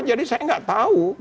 jadi saya gak tahu